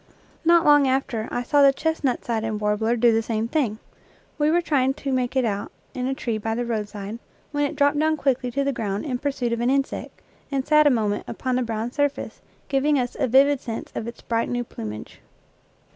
Not long after I saw the chestnut sided warbler do the same thing. We were trying to make it out in a tree by the roadside, when it 70 NATURE LEAVES dropped down quickly to the ground in pursuit of an insect, and sat a moment upon the brown surface, giving us a vivid sense of its bright new plumage.